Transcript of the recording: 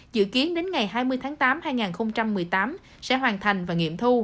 dự kiến đến ngày hai mươi tháng tám hai nghìn một mươi tám sẽ hoàn thành và nghiệm thu